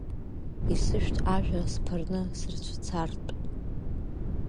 Исышәҭ ажәҩа сԥырны срыцәцартә.